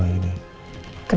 maksudnya oke mama mengerti